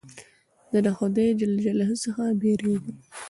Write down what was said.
زه د خدای جل جلاله څخه بېرېږم.